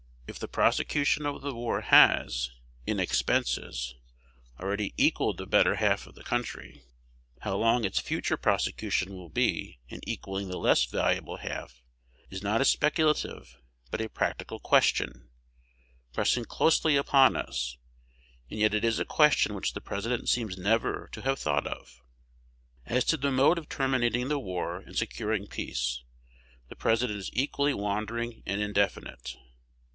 If the prosecution of the war has, in expenses, already equalled the better half of the country, how long its future prosecution will be in equalling the less valuable half is not a speculative but a practical question, pressing closely upon us; and yet it is a question which the President seems never to have thought of. As to the mode of terminating the war and securing peace, the President is equally wandering and indefinite.